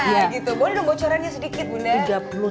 bisa baca bocorannya sedikit bunda